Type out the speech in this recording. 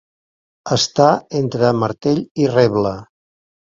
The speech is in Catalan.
Estar entre martell i reble.